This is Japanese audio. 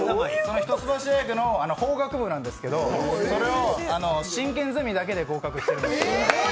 一橋大学の法学部なんですけどそれを進研ゼミだけで合格したんです。